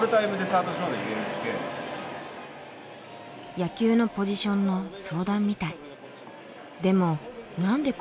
野球のポジションの相談みたい。